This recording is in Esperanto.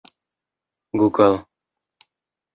google